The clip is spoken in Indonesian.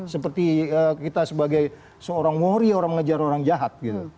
seperti kita sebagai seorang warrior mengejar orang jahat gitu